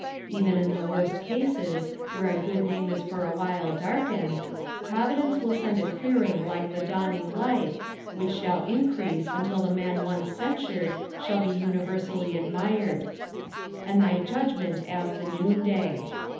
Even in the worst cases, where a §ood name is for awhile darkened, Providence will send a clearing like the awning light, which shall increase until the man once censured shall be uni versally admired. "And thp judgment at the noonday.''''